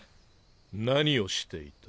何をしていた。